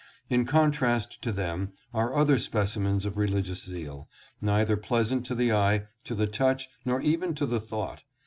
In contrast to them are other specimens of religious 698 RELIGION AT ROME. zeal, neither pleasant to the eye, to the touch nor even to the thought.